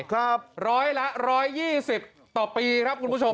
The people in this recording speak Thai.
ครับร้อยละร้อยยี่สิบต่อปีครับคุณผู้ชมฮะ